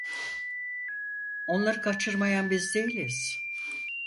Onları kaçırmayan biz değiliz…